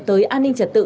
tới an ninh trật tự